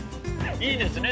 いいですね